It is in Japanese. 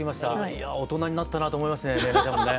いやぁ大人になったなと思いましたね